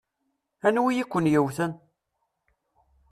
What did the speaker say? Anwi i ken-yewwten?